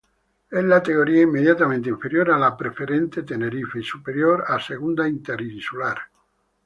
Es la categoría inmediatamente inferior a la Preferente Tenerife y superior a Segunda Interinsular.